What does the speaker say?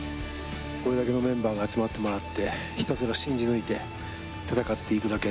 これだけのメンバーが集まってもらって、ひたすら信じ抜いて戦っていくだけ。